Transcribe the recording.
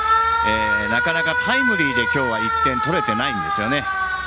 タイムリーで今日は１点が取れていないんですね。